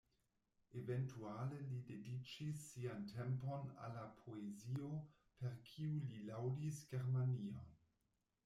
Eventuale li dediĉis sian tempon al la poezio, per kiu li laŭdis Germanion.